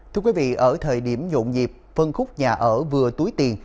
thưa quý vị ở thời điểm dộn dịp phân khúc nhà ở vừa túi tiền